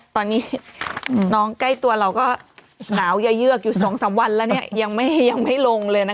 ตอนนี้น้องใกล้ตัวเราก็หนาวอย่าเยือกอยู่๒๓วันแล้วยังไม่ลงเลยนะคะ